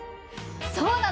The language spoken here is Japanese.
そうなの！